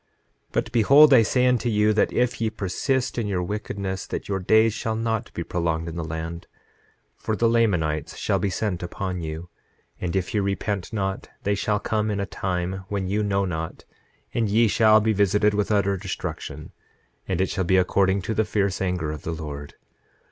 9:18 But behold, I say unto you that if ye persist in your wickedness that your days shall not be prolonged in the land, for the Lamanites shall be sent upon you; and if ye repent not they shall come in a time when you know not, and ye shall be visited with utter destruction; and it shall be according to the fierce anger of the Lord.